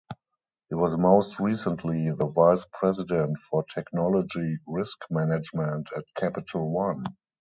He was most recently the vice president for technology risk management at Capital One.